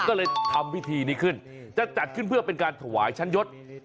ก็เลยทำพิธีนี้ขึ้นจะจัดขึ้นเพื่อเป็นการถวายชั้นยศ